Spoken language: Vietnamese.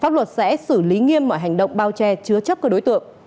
pháp luật sẽ xử lý nghiêm mọi hành động bao che chứa chấp các đối tượng